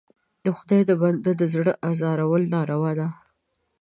د خدای د بنده د زړه ازارول ناروا ده.